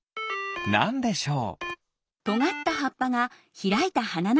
なんでしょう？